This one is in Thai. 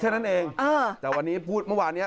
แค่นั้นเองแต่วันนี้พูดเมื่อวานเนี้ย